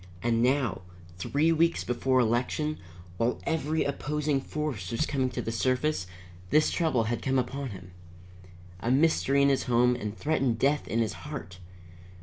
And now, three weeks before election, while every opposing force was coming to the surface, this trouble had come upon him. A mystery in his home and threatened death in his heart!